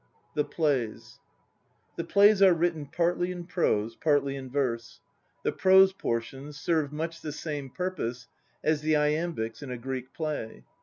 THE PLAYS. The plays are written partly in prose, partly in verse. The prose portions serve much the same purpose as the iambics in a Greek play.